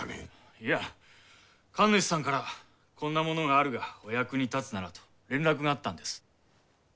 いや神主さんからこんなものがあるがお役に立つならと連絡があったんです。